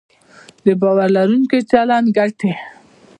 د باور لرونکي چلند ګټې